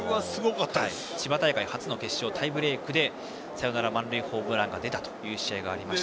初めてのタイブレークでサヨナラ満塁ホームランが出たという試合がありました。